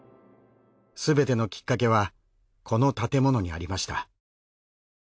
すべてのきっかけはこの建物にありました。